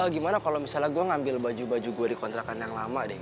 gimana kalau misalnya saya ambil baju baju saya yang dikontrakan yang lama deh